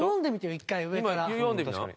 １回上から。